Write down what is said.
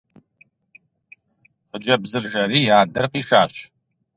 Хъыджэбзыр жэри и адэр къишащ.